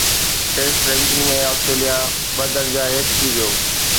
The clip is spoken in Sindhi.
ٽيسٽ رينڪنگ ۾ آسٽريليا ٻه درجا هيٺ ٿي ويو